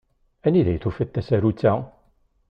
Anida i tufiḍ tasarut-a?